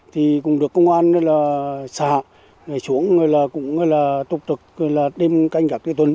thì cũng được công an xã hội xuống cũng là tục tực đem canh cả tuần